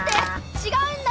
違うんだ！